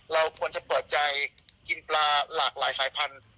เราควรจะเปิดใจกินปลาหลากหลายสายพันธุ